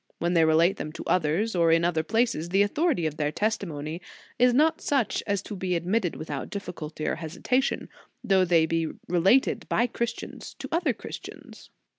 When they relate them to others or in other places, the autho rity of their testimony is not such as to be admitted without difficulty or hesitation; although they be related by Christians to other Christians."